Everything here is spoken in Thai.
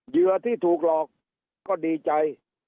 เหยื่อที่ถูกหลอกก็ดีใจ